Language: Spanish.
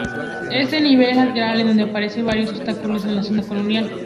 Este nivel es lateral, en donde aparece varios obstáculos de la misma colonia.